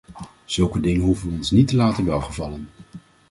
Zulke dingen hoeven we ons niet te laten welgevallen.